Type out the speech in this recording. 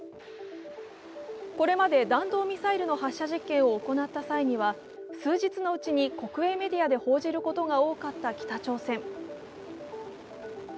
これまで弾道ミサイルの発射実験を行った際には数日のうちに国営メディアで報じることが多かった北朝鮮。